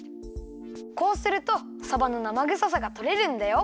こうするとさばのなまぐささがとれるんだよ。